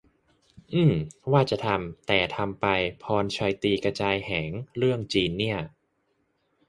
อืม ว่าจะทำ แต่ทำไป พรชัยตีกระจายแหง เรื่องจีนเนี่ย